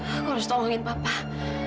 aku harus tolongin bapak